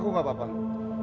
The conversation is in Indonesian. aku tidak apa apa